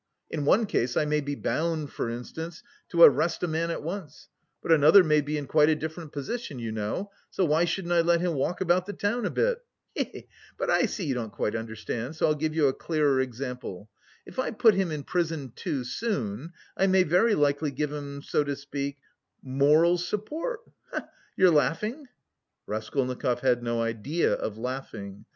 In one case I may be bound, for instance, to arrest a man at once, but another may be in quite a different position, you know, so why shouldn't I let him walk about the town a bit? he he he! But I see you don't quite understand, so I'll give you a clearer example. If I put him in prison too soon, I may very likely give him, so to speak, moral support, he he! You're laughing?" Raskolnikov had no idea of laughing.